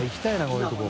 こういうとこ。